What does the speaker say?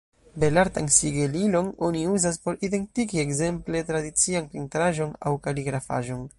Belartan sigelilon oni uzas por identigi ekzemple tradician pentraĵon aŭ kaligrafaĵon.